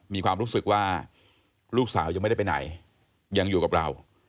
มีความรู้สึกว่าลูกสาวยังไม่ได้ไปไหนยังอยู่กับเรา